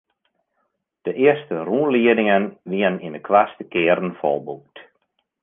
De earste rûnliedingen wiene yn de koartste kearen folboekt.